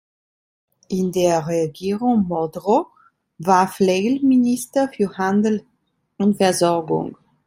In der Regierung Modrow war Flegel Minister für Handel und Versorgung.